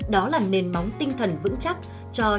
đó là nền móng tinh thần vững chắc cho trường đại học mỹ thuật việt nam